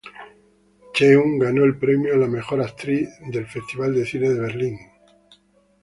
Cheung Ganó el premio a la mejor actriz del Festival de cine de Berlín.